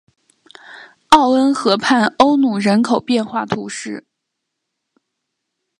奥恩河畔欧努人口变化图示